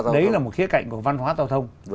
đấy là một khía cạnh của văn hóa giao thông